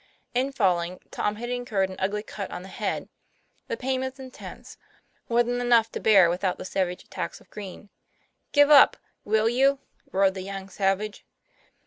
In falling, Tom had incurred an ugly cut on the head. The pain was intense; more than enough to bear without the savage attacks of Green. ' Give up will you?" roared the young savage.